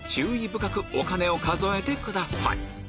深くお金を数えてください